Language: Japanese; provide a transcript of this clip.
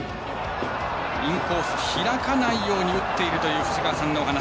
インコース開かないように打っているという藤川さんのお話。